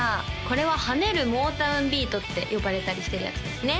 これは跳ねるモータウンビートって呼ばれたりしてるやつですね